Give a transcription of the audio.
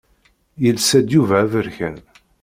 Yelsa-d Yuba aberkan.